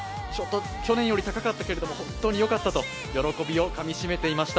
去年より高かったけれど本当に良かったと喜びをかみしめていました。